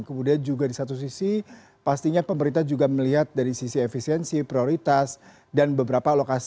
kemudian juga di satu sisi pastinya pemerintah juga melihat dari sisi efisiensi prioritas dan beberapa lokasi